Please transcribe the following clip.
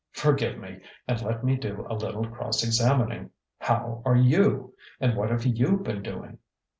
Forgive me, and let me do a little cross examining. How are you? And what have you been doing?